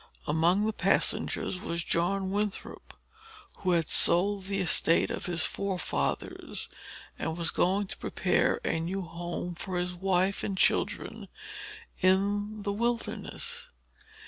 Among the passengers was John Winthrop, who had sold the estate of his forefathers, and was going to prepare a new home for his wife and children in the wilderness.